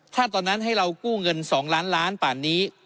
ถ้าตอนนั้นให้เรากู้เงิน๒ล้านล้านป่านนี้